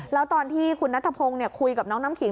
แล้วตอนที่คุณนัทพงศ์คุยกับน้องน้ำขิง